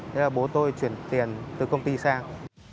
thế là bố tôi chuyển tiền từ công ty sang